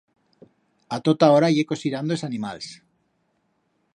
A tota hora ye cosirando es animals.